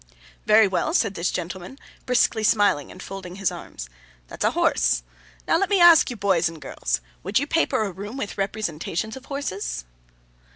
'Very well,' said this gentleman, briskly smiling, and folding his arms. 'That's a horse. Now, let me ask you girls and boys, Would you paper a room with representations of horses?